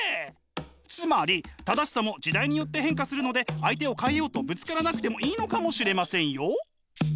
つまり正しさも時代によって変化するので相手を変えようとぶつからなくてもいいのかもしれませんよ。